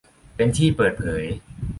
เป็นที่เปิดเผย